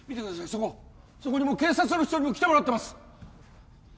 そこそこにもう警察の人にも来てもらってます